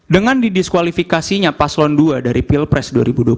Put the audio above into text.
dengan didiskualifikasinya paslon dua dari pilpres dua ribu dua puluh